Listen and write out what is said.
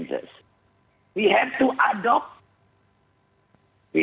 kita harus mengadopsi